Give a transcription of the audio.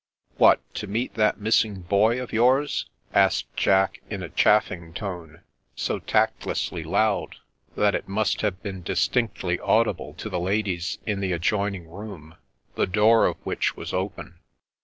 " What, to meet that missing Boy of yours ?asked Jack, in a chaffing tone, so tactlessly loud that it must have been distinctly audible to the ladies in the adjoining room, the door of which was open.